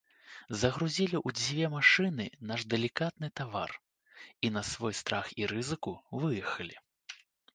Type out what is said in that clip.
Загрузілі ў дзве машыны наш далікатны тавар і, на свой страх і рызыку, выехалі.